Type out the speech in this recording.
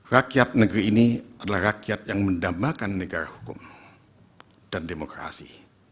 rakyat negeri ini adalah rakyat yang mendambakan negara hukum dan demokrasi